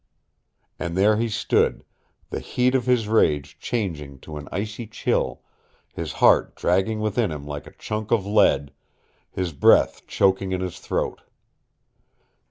And there he stood, the heat of his rage changing to an icy chill, his heart dragging within him like a chunk of lead, his breath choking in his throat.